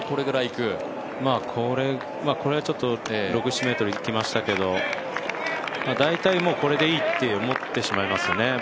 これはちょっと６７ｍいきましたけど大体、もうこれでいいと思ってしまいますよね。